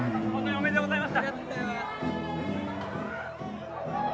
ありがとうございます。